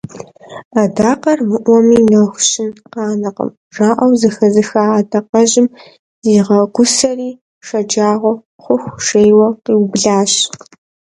«Адакъэр мыӏуэми нэху щын къанэкъым» жаӏэу зэхэзыха адэкъэжьым зигъэгусэри шэджагъуэ хъуху жейуэ къиублащ.